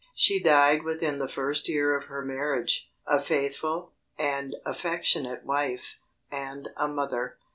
She died within the first year of her marriage, a faithful, an affectionate wife, and a mother.